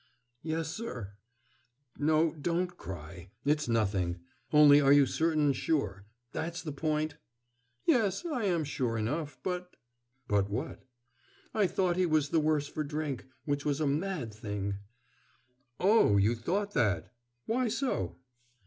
"Yes, sir...." "No, don't cry. It's nothing. Only are you certain sure that's the point?" "Yes, I am sure enough, but " "But what?" "I thought he was the worse for drink, which was a mad thing." "Oh, you thought that. Why so?"